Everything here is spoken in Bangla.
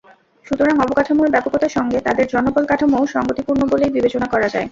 সুতরাং, অবকাঠামোর ব্যাপকতার সঙ্গে তাদের জনবলকাঠামোও সংগতিপূর্ণ বলেই বিবেচনা করা যায়।